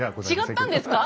違ったんですか？